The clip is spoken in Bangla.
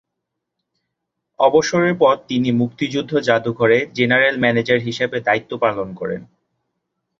অবসরের পর তিনি মুক্তিযুদ্ধ জাদুঘরে জেনারেল ম্যানেজার হিসেবে দায়িত্ব পালন করেন।